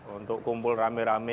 untuk kumpul rame rame